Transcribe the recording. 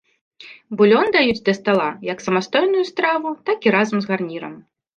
Булён даюць да стала як самастойную страву, так і разам з гарнірам.